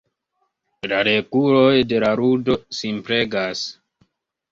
La reguloj de la ludo simplegas.